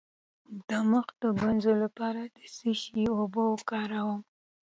د مخ د ګونځو لپاره د څه شي اوبه وکاروم؟